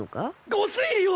御推理を！